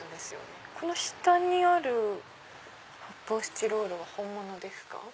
この下にある発泡スチロールは本物ですか？